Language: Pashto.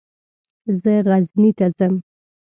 زه غزني ته ځم.